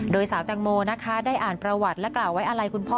โดยสาวแตงโมนะคะได้อ่านประวัติและกล่าวไว้อะไรคุณพ่อ